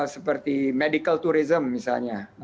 seperti medical tourism misalnya